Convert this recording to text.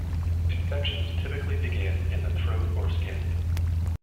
Infections typically begin in the throat or skin.